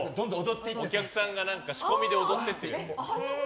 お客さんが仕込みで踊ってくやつ。